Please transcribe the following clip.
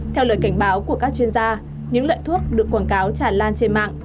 theo lời cảnh báo của các chuyên gia những loại thuốc được quảng cáo tràn lan trên mạng